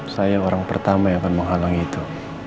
saya orang pertama yang akan menghalangi itu